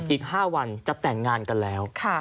อีก๕วันจะแต่งงานกันแล้ว